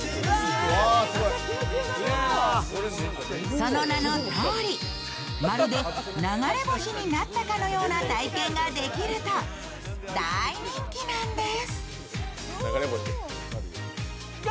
その名のとおり、まるで流れ星になったかのような体験ができると大人気なんです。